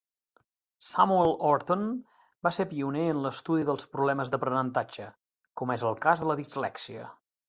Samuel Orton va ser pioner en l'estudi dels problemes d'aprenentatge, com és el cas de la dislèxia.